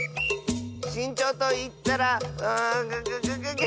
しんちょうといったらんググググ。